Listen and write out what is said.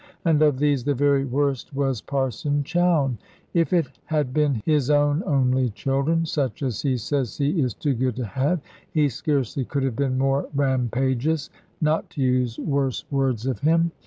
And of these the very worst was Parson Chowne. If it had been his own only children such as he says he is too good to have he scarcely could have been more rampagious, not to use worse words of him.